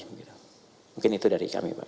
mungkin itu dari kami pak